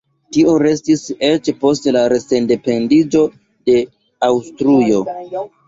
Tio restis eĉ post la re-sendependiĝo de Aŭstrujo.